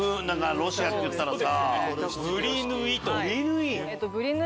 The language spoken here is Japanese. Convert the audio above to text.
ロシアっていったらさ。